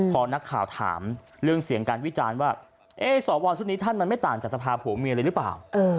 พอนักข่าวถามเรื่องเสียงการวิจารณ์ว่าสวชุดนี้ท่านมันไม่ต่างจากสภาพผัวเมียเลยหรือเปล่า